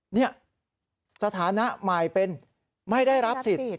นี่สถานะใหม่เป็นไม่ได้รับสิทธิ์